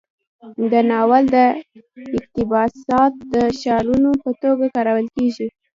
د ناول اقتباسات د شعارونو په توګه کارول کیږي.